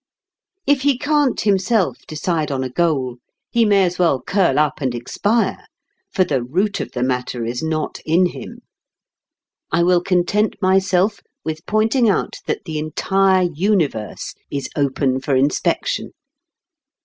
If he can't himself decide on a goal he may as well curl up and expire, for the root of the matter is not in him. I will content myself with pointing out that the entire universe is open for inspection.